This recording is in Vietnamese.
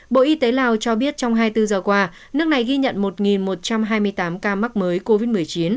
bộ y tế lào cho biết trong hai mươi bốn giờ qua nước này ghi nhận một một trăm hai mươi tám ca mắc mới covid một mươi chín